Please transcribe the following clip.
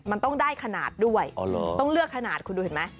มันต้องได้ขนาดด้วยต้องเลือกขนาดคุณดูเห็นไหม